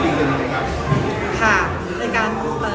คือมีการเข้าต่างประเทศของอูลาม